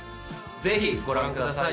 ぜひご覧ください